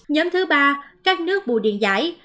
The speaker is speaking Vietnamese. nhóm thứ ba các nước bù điện giải